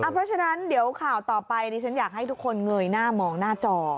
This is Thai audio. เพราะฉะนั้นเดี๋ยวข่าวต่อไปดิฉันอยากให้ทุกคนเงยหน้ามองหน้าจอ